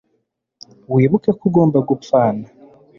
Wibuke ko ugomba gupfana